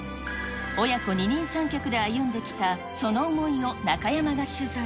親子二人三脚で歩んできた、その思いを中山が取材。